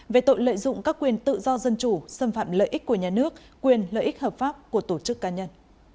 về tội lợi dụng các quyền tự do dân chủ xâm phạm lợi ích của nhà nước quyền lợi ích hợp pháp của tổ chức cá nhân